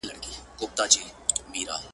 پاچا په خپلو لاسو بيا سپه سالار وتړی~